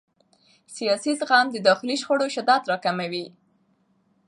سیاسي زغم د داخلي شخړو شدت راکموي